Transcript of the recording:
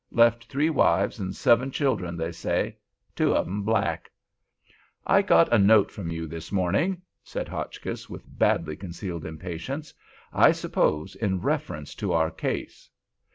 Left three wives and seven children, they say —two of 'em black." "I got a note from you this morning," said Hotchkiss, with badly concealed impatience. "I suppose in reference to our case.